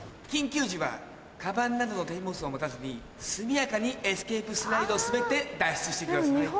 緊急時はカバンなどの手荷物を持たずに速やかにエスケープスライドを滑って脱出してください。